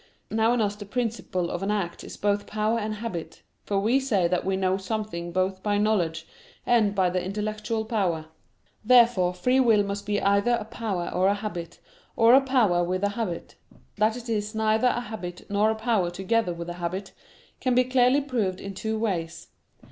Now in us the principle of an act is both power and habit; for we say that we know something both by knowledge and by the intellectual power. Therefore free will must be either a power or a habit, or a power with a habit. That it is neither a habit nor a power together with a habit, can be clearly proved in two ways.